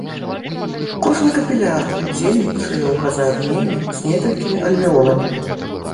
Кожны капіляр удзельнічае ў газаабмене з некалькімі альвеоламі.